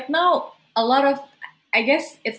banyak saya rasa tidak mengatakan